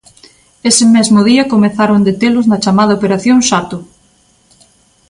Ese mesmo día comezaron detelos na chamada Operación Xato.